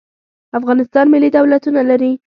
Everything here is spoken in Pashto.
افغانستان ملي دولتونه لري.